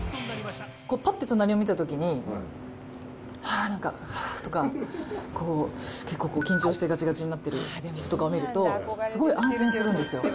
ぱっと隣を見たときに、はーっ、なんか、とか、こう、結構緊張してがちがちになってる人とかを見ると、すごい安心するんですよ。